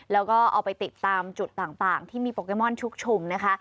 แล้วก็เอาไปติดตามจุดต่างที่มีโปเกมอนชุกชุมนะคะ